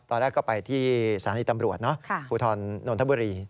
ตอนแรกก็ไปที่สนตำรวจพูทอนโนธับูรี